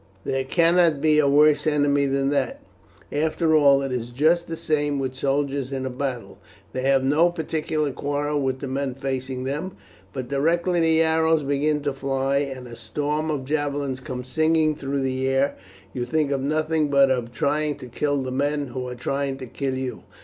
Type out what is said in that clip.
There cannot be a worse enemy than that. After all, it is just the same with soldiers in a battle. They have no particular quarrel with the men facing them; but directly the arrows begin to fly, and a storm of javelins come singing through the air, you think of nothing but of trying to kill the men who are trying to kill you.